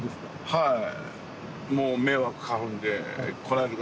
はい。